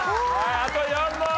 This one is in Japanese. あと４問！